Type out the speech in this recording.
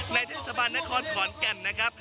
เทศบาลนครขอนแก่นนะครับ